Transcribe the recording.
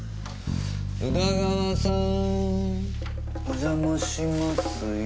お邪魔しますよ。